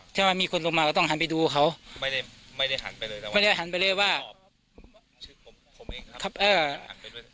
ถ้ามีคนลงมาก็ต้องหันไปดูเขาไม่ได้หันไปเลยนะไม่ได้หันไปเลยว่า